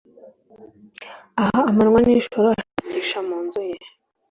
Ah Amanywa nijoro ashakisha mu nzu ye